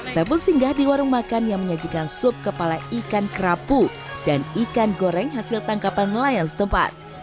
saiful singgah di warung makan yang menyajikan sup kepala ikan kerapu dan ikan goreng hasil tangkapan nelayan setempat